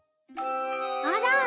あら。